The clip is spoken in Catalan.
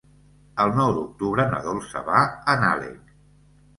El nou d'octubre na Dolça va a Nalec.